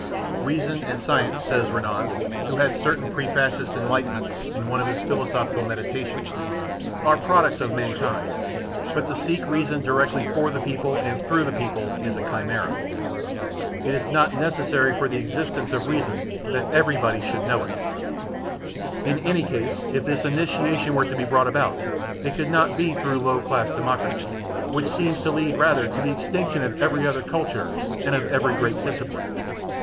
"Reason and science" says Renan (who had certain pre fascist enlightenments) in one of his philosophical meditations, "are products of mankind, but to seek reason directly for the people and through the people is a chimera. It is not necessary for the existence of reason that everybody should know it. In any case if this initiation were to be brought about it could not be through low class democracy, which seems to lead rather to the extinction of every difficult culture and of every great discipline.